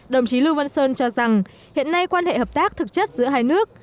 đồng chí lưu văn sơn cho rằng hiện nay quan hệ hợp tác thực chất giữa hai nước